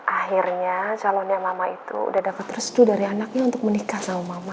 akhirnya calonnya mama itu udah dapet restu dari anaknya untuk menikah sama mama